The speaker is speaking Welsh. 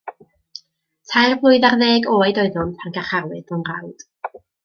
Tair blwydd ar ddeg oed oeddwn pan garcharwyd fy mrawd.